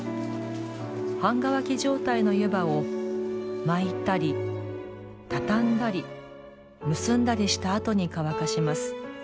半乾き状態の湯葉を巻いたり畳んだり、結んだりしたあとに乾かします。